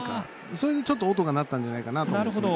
それでちょっと音が鳴ったんじゃないかと思いますね。